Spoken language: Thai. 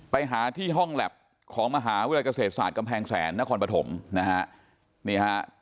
ไปหาที่ห้องแล็บของมหาวิทยาลัยเกษตรศาสตร์กำแพงแสนนครปฐมนะฮะนี่ฮะ